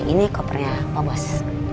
ini kopernya pak bos